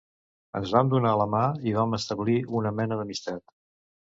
Ens vam donar la mà i vam establir una mena d'amistat.